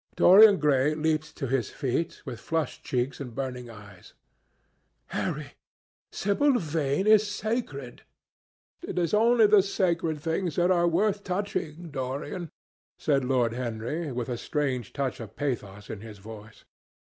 Dorian Gray leaped to his feet, with flushed cheeks and burning eyes. "Harry! Sibyl Vane is sacred!" "It is only the sacred things that are worth touching, Dorian," said Lord Henry, with a strange touch of pathos in his voice.